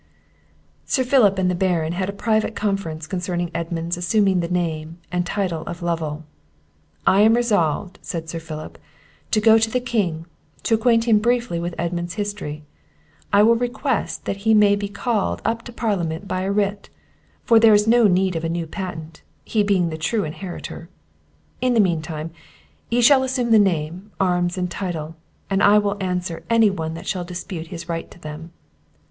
Sir Philip and the Baron had a private conference concerning Edmund's assuming the name and title of Lovel. "I am resolved," said Sir Philip, "to go to the king; to acquaint him briefly with Edmund's history; I will request that he may be called up to parliament by a writ, for there is no need of a new patent, he being the true inheritor; in the mean time he shall assume the name, arms, and title, and I will answer any one that shall dispute his right to them.